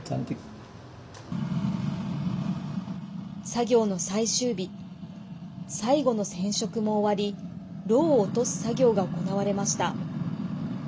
作業の最終日最後の染色も終わりろうを落とす作業が行われました。